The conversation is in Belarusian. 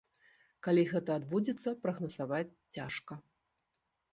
Калі гэта адбудзецца, прагназаваць цяжка.